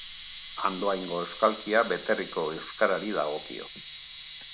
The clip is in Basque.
Andoaingo euskalkia Beterriko euskarari dagokio.